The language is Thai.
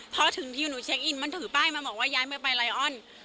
พอถึงที่หนูเช็คอินมันถือป้ายมาบอกว่าย้ายเมื่อไปไลออน